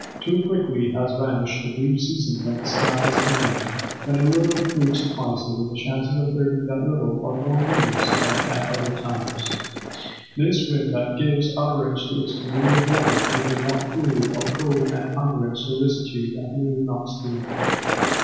Too quickly has vanished the brief season when the sky is clement, when a little food suffices, and the chances of earning that little are more numerous than at other times; this wind that gives utterance to its familiar warning is the vaunt courier of cold and hunger and solicitude that knows not sleep.